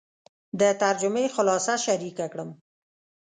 د ترجمې خلاصه شریکه کړم.